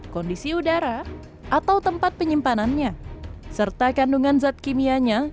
kondisi udara atau tempat penyimpanannya serta kandungan zat kimianya